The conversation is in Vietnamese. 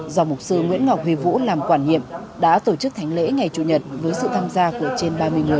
do mục sư nguyễn ngọc huy vũ làm quản nhiệm đã tổ chức thánh lễ ngày chủ nhật với sự tham gia của trên ba mươi người